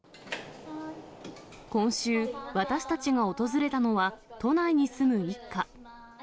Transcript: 今週、私たちが訪れたのは都内に住む一家。